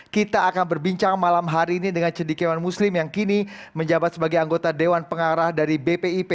kita akan berbincang malam hari ini dengan cedikiawan muslim yang kini menjabat sebagai anggota dewan pengarah dari bpip